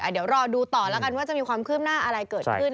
เดี๋ยวรอดูต่อแล้วกันว่าจะมีความคืบหน้าอะไรเกิดขึ้น